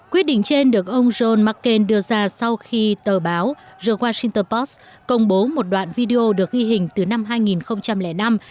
quyết định trên được ông john mccain đưa ra sau khi tờ báo the washington post công bố một đoạn video được ghi hình từ năm hai nghìn năm